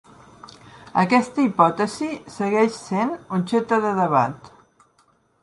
Aquesta hipòtesi segueix sent objecte de debat.